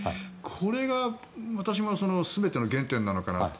これが私も全ての原点なのかなと。